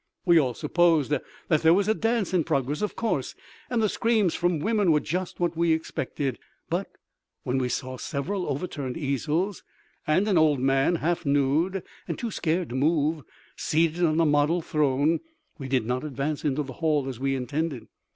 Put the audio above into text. We all supposed that there was a dance in progress of course, and the screams from women were just what we expected; but when we saw several overturned easels and an old man, half nude, and too scared to move, seated on a model throne, we did not advance into the hall as we intended.